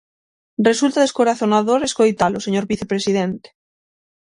Resulta descorazonador escoitalo, señor vicepresidente.